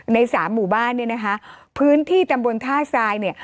ในสามหมู่บ้านเนี่ยนะคะพื้นที่ตำบลท่าทรายเนี่ย